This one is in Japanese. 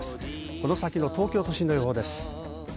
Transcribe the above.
この先の東京都心の予報です。